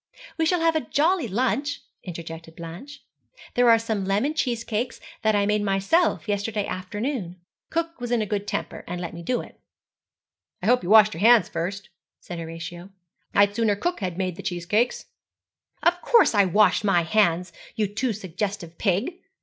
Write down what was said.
'We shall have a jolly lunch,' interjected Blanche. 'There are some lemon cheesecakes that I made myself yesterday afternoon. Cook was in a good temper, and let me do it.' 'I hope you washed your hands first,' said Horatio. 'I'd sooner cook had made the cheesecakes.' 'Of course I washed my hands, you too suggestive pig.